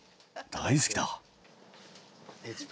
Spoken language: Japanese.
大好きだ。